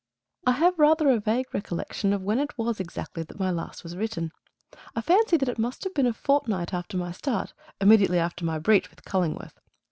I have rather a vague recollection of when it was exactly that my last was written. I fancy that it must have been a fortnight after my start, immediately after my breach with Cullingworth.